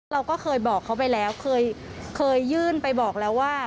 เราก็เคยบอกเขาไปแล้วเคยยื่นไปบอกแล้วว่า